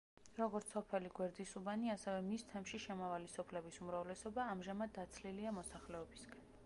როგორც სოფელი გვერდისუბანი, ასევე მის თემში შემავალი სოფლების უმრავლესობა ამაჟამად დაცლილია მოსახლეობისგან.